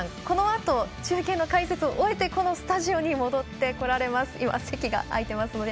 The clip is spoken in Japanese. このあと、中継の解説を終えてこのスタジオに戻ってこられます。